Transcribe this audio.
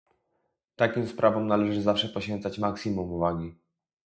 takim sprawom należy zawsze poświęcać maksimum uwagi